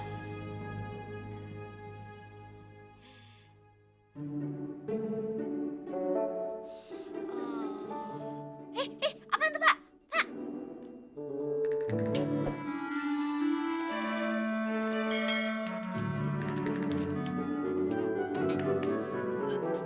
eh minum dulu pak